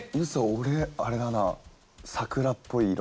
俺あれだな桜っぽい色。